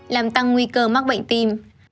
làm tăng nguy cơ mắc bệnh tim